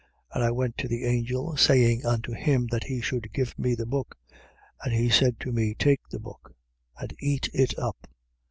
10:9. And I went to the angel, saying unto him that he should give me the book. And he said to me: Take the book and eat it up.